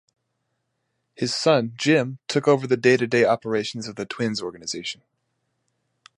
His son Jim took over day-to-day operations of the Twins organization.